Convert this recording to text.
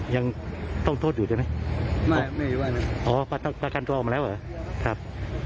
ยังต้องโทษอยู่ใช่ไหมไม่ว่าอ๋อประกันตัวออกมาแล้วเหรอครับ